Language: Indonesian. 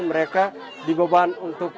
mereka diboban untuk